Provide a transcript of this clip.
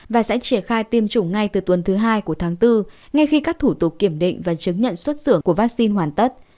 và sẽ triển khai tiêm chủng ngay từ tuần thứ hai của tháng bốn ngay khi các thủ tục kiểm định và chứng nhận xuất xưởng của vaccine hoàn tất